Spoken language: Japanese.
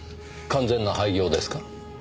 完全な廃業ですか？